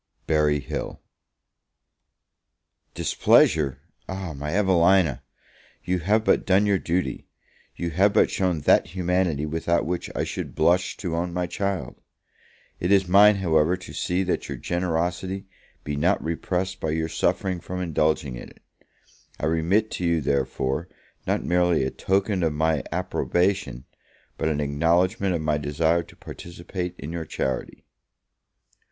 Berry Hill. DISPLEASURE? my Evelina! you have but done your duty; you have but shown that humanity without which I should blush to own my child. It is mine, however, to see that your generosity be not repressed by your suffering from indulging it; I remit to you, therefore, not merely a token of my approbation, but an acknowledgment of my desire to participate in your charity.